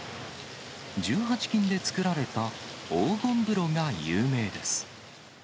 １８金で作られた黄金風呂が有名です。